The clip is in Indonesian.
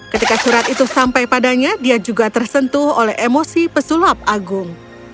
ketika surat itu sampai padanya dia juga tersentuh oleh emosi pesulap agung